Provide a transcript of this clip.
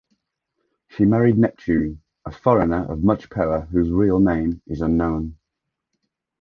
She married Neptune, a foreigner of much power whose real name is unknown.